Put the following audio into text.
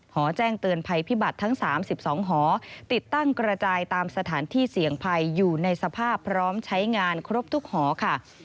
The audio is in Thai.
หอแจ้งเตือนภัยพิบัติทั้ง๓๒หอติดตั้งกระจายตามสถานที่เสี่ยงภัยอยู่ในสภาพพร้อมใช้งานครบทุกหอค่ะ